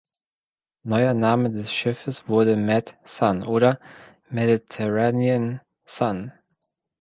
Neuer Name des Schiffes wurde "Med Sun" (oder "Mediterranean Sun").